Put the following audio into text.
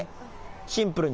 シンプルに。